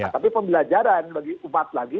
tapi pembelajaran bagi umat lagi